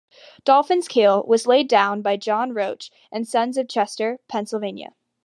"Dolphin"s keel was laid down by John Roach and Sons of Chester, Pennsylvania.